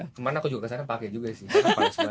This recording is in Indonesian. oh itu kemarin aku juga kesana pakai juga sih